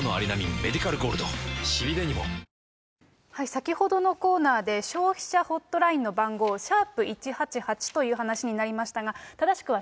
先ほどのコーナーで、消費者ホットラインの番号、＃１８８という話になりましたが、正しくは＃